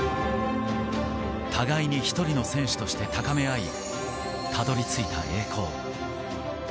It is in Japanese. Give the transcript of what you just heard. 互いに一人の選手として高め合い、たどり着いた栄光。